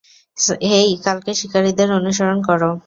হেই, কালকে শিকারীদের অনুসরণ করো।